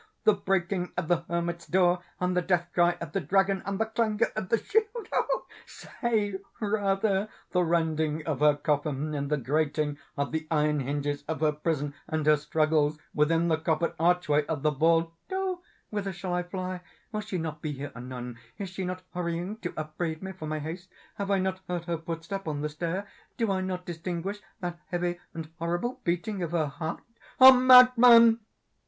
—the breaking of the hermit's door, and the death cry of the dragon, and the clangor of the shield!—say, rather, the rending of her coffin, and the grating of the iron hinges of her prison, and her struggles within the coppered archway of the vault! Oh whither shall I fly? Will she not be here anon? Is she not hurrying to upbraid me for my haste? Have I not heard her footstep on the stair? Do I not distinguish that heavy and horrible beating of her heart? Madman!"